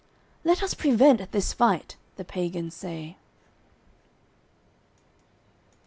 "Let us prevent this fight:" the pagans say.